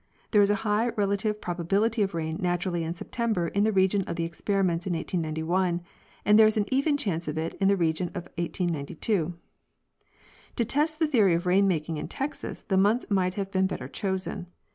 There is a high rela tive probability of rain naturally in September in the region of the experiments in 1891, and there is an even chance of it in the region of 1892. To test the theory of rain making in Texas the months might have been better chosen.